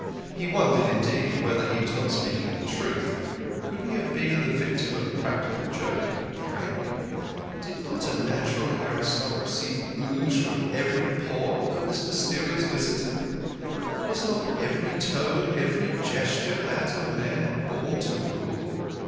He wondered, indeed, whether he was not speaking the truth. Could he have been the victim of a practical joke, a prank? Did not a natural aristocracy ooze from every pore of his mysterious visitor? Was not every tone, every gesture, that of a man born to rule?